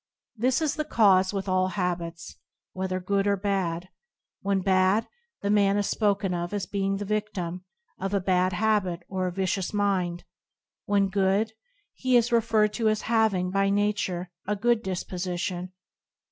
This is the case with all habits, whether good or bad; when bad, the man is spoken of as being the cc victim" of a bad habit or a vicious mind; when good, he is referred to as having, by nature, a "good disposition."